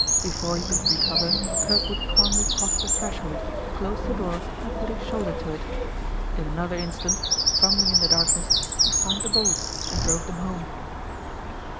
Before he could recover Kirkwood calmly crossed the threshold, closed the door and put his shoulder to it. In another instant, fumbling in the darkness, he found the bolts and drove them home.